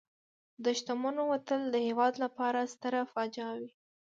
د شتمنو وتل د هېواد لپاره ستره فاجعه وي.